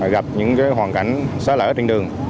gặp những hoàn cảnh xa lở trên đường